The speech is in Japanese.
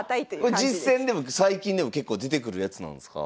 これ実戦でも最近でも結構出てくるやつなんですか？